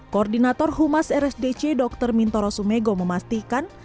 koordinator humas rsdc dr mintoro sumego memastikan